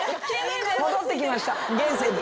戻ってきました現世に。